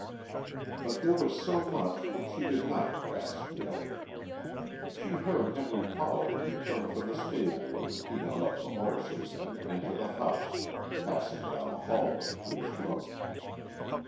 But there was so much which she did not grasp yet. She heard Henry Pollard return from the stable where he had left the horses and enter the house, passing down the hallway to his room.